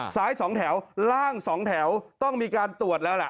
สองแถวล่าง๒แถวต้องมีการตรวจแล้วล่ะ